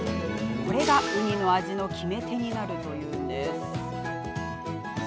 これがウニの味の決め手になるというんです。